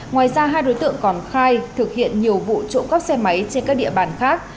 ngoài ra hai đối tượng còn khai thực hiện nhiều vụ trộm cắp xe máy trên các địa bàn khác